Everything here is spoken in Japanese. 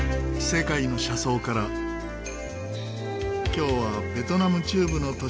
今日はベトナム中部の都市